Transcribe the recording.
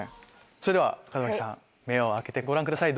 それでは門脇さん目を開けてご覧ください！